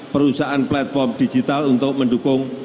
perusahaan platform digital untuk mendukung